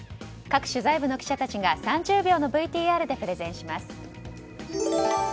各取材部の記者たちが３０秒のＶＴＲでプレゼンします。